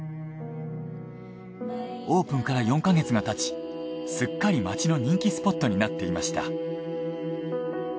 オープンから４か月が経ちすっかり町の人気スポットになっていました。